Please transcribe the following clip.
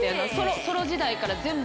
ソロ時代から全部。